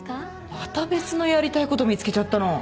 また別のやりたいこと見つけちゃったの？